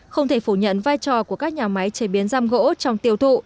không thể phủ nhận vai trò của các nhà máy chế biến giam gỗ trong tiêu thụ